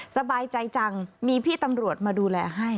สบายใจจังมีพี่ตำรวจมาดูแลให้